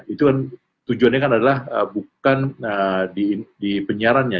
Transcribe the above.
itu tujuannya bukan di penyiarannya